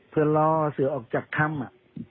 เพื่อล่อเสือออกจากถ้ำ